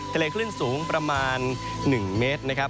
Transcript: คลื่นสูงประมาณ๑เมตรนะครับ